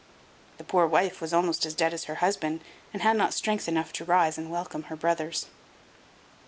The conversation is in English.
The poor wife was almost as dead as her husband, and had not strength enough to rise and welcome her brothers.